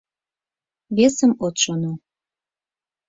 Весым от шоно...